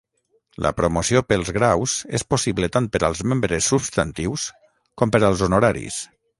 La promoció pels graus és possible tant per als membres substantius com per als honoraris.